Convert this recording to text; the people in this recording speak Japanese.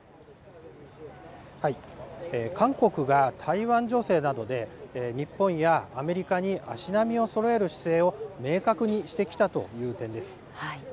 韓国が台湾情勢などで、日本やアメリカに足並みをそろえる姿勢を明確にしてきたという点です。